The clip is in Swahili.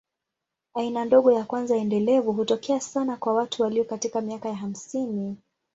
Aina ndogo ya kwanza endelevu hutokea sana kwa watu walio katika miaka ya hamsini.